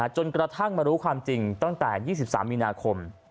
จนกระทั่งมารู้ความจริงตั้งแต่๒๓มีนาคม